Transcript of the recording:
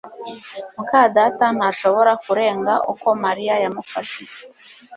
muka data ntashobora kurenga uko Mariya yamufashe